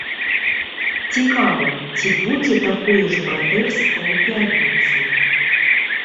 Цікава, ці будзе такое ж братэрства ў пятніцу?